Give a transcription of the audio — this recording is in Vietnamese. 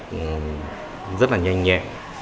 thành rất là nhanh nhẹ